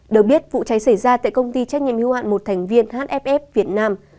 được biết vụ cháy xảy ra tại công ty trách nhiệm hưu hạn một thành viên hff việt nam